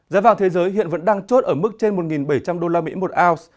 giá vàng thế giới hiện vẫn đang chốt ở mức trên một bảy trăm linh đô la mỹ một ounce